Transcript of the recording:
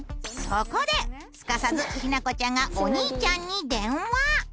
ここですかさずしなこちゃんがお兄ちゃんに電話。